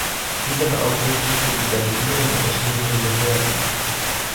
Dieser beaufsichtigte die der Regierung unterstehenden Behörden.